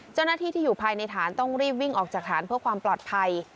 เจ้าหน้าที่ที่อยู่ภายในฐานต้องรีบวิ่งออกจากฐานเพื่อความปลอดภัย